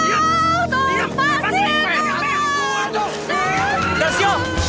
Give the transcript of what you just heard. diam lepasin dia dong